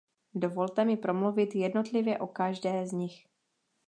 Dovolte mi promluvit jednotlivě o každé z nich.